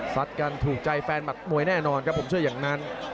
กันถูกใจแฟนหมัดมวยแน่นอนครับผมเชื่ออย่างนั้น